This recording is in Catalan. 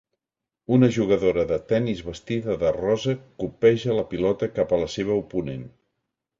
Una jugadora de tennis vestida de rosa copeja la pilota cap a la seva oponent.